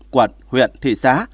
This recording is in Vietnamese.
quận huyện thị xã